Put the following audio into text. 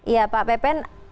ya pak pepet